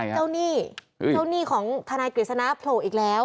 หนี้เจ้าหนี้ของทนายกฤษณะโผล่อีกแล้ว